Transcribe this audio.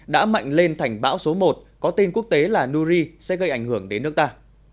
đã mạnh lên thành bão số một có tên quốc tế là nuri sẽ gây ảnh hưởng đến nước ta